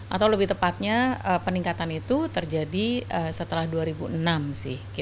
atau lebih tepatnya peningkatan itu terjadi setelah dua ribu enam sih